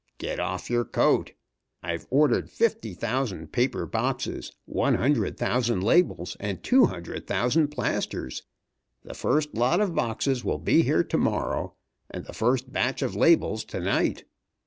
Get off your coat. I've ordered fifty thousand paper boxes, one hundred thousand labels, and two hundred thousand plasters. The first lot of boxes will be here to morrow, and the first batch of labels to night.